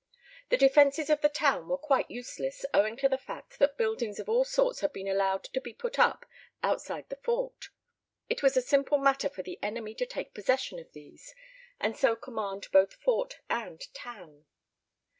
The defences of the town were quite useless owing to the fact that buildings of all sorts had been allowed to be put up outside the fort. It was a simple matter for the enemy to take possession of these and so command both fort and town.